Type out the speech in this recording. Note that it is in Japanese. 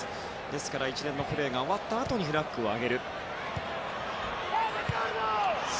ですから一連のプレーが終わったあとフラッグを上げる。